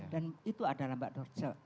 dan itu adalah mbak georgia